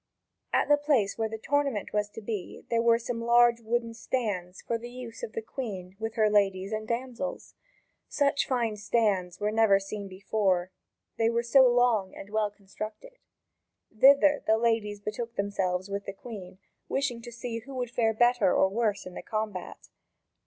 At the place where the tournament was to be, there were some large wooden stands for the use of the Queen with her ladies and damsels. Such fine stands were never seen before they were so long and well constructed. Thither the ladies betook themselves with the Queen, wishing to see who would fare better or worse in the combat.